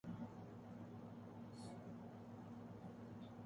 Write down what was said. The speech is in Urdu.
ایس پی، ڈی سی کی طاقت پر مقابلہ نہیں کروں گا